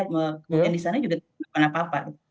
kemudian di sana juga tidak melakukan apa apa